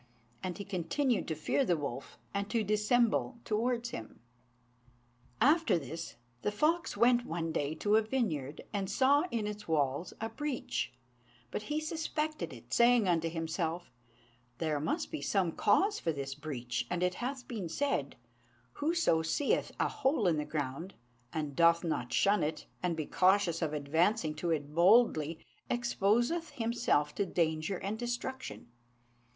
And he continued to fear the wolf, and to dissemble towards him. After this the fox went one day to a vineyard, and saw in its wall a breach; but he suspected it, saying unto himself, "There must be some cause for this breach, and it hath been said, 'Whoso seeth a hole in the ground, and doth not shun it, and be cautious of advancing to it boldly, exposeth himself to danger and destruction.'